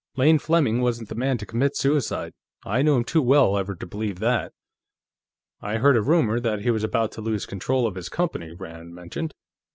"Lane Fleming wasn't the man to commit suicide. I knew him too well ever to believe that." "I heard a rumor that he was about to lose control of his company," Rand mentioned.